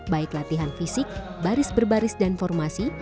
baik latihan fisik baris berbaris dan formasi